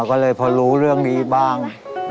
ก็เลยพอรู้เรื่องนี้บ้าง